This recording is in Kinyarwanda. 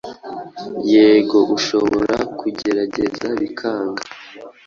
Yego ushobora kugerageza bikanga,